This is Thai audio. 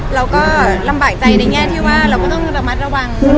เราก็ลำบากใจในแง่ที่ว่าเราก็ต้องระมัดระวัง